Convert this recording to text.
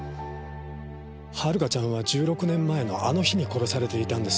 遥ちゃんは１６年前のあの日に殺されていたんです。